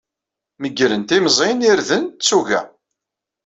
Meggren timẓin, irden d tuga.